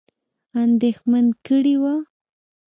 اندېښمن کړي وه.